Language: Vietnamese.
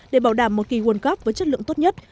để bảo đảm một kỳ world cup với chất lượng tốt nhất